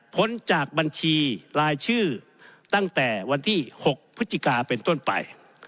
จากบัญชีรายชื่อตั้งแต่วันที่๖พฤศจิกาเป็นต้นไป